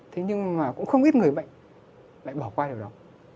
thế nhưng mà cũng không ít người bệnh lại bỏ qua điều đó